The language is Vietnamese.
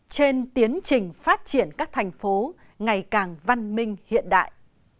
trên tiến trình phát triển các thành phố ngày càng văn minh hiện đại